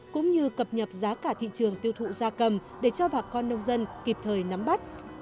cũng như cập nhập giá cả thị trường tiêu thụ gia cầm để cho bà con nông dân kịp thời nắm bắt